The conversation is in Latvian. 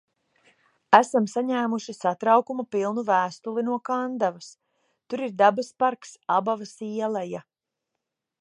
Esam saņēmuši satraukuma pilnu vēstuli no Kandavas. Tur ir dabas parks "Abavas ieleja".